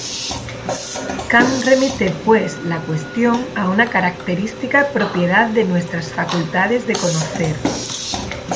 Kant remite, pues, la cuestión a una "característica propiedad de nuestras facultades de conocer".